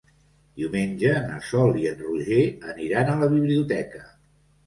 Diumenge na Sol i en Roger aniran a la biblioteca.